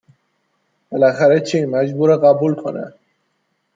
بالاخره چی مجبوره قبول کنه